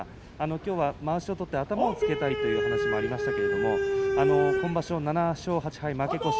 きょうはまわしを取って頭をつけたいという話がありましたが今場所７勝８敗、負け越し